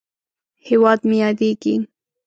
هېواد مې یادیږې!